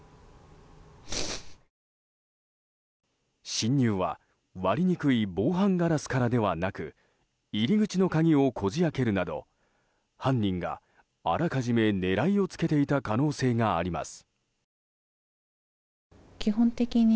侵入は、割りにくい防犯ガラスからではなく入り口の鍵をこじ開けるなど犯人があらかじめ狙いをつけていた可能性があります。